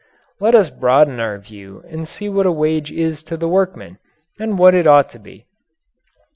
Let us broaden our view and see what a wage is to the workmen and what it ought to be.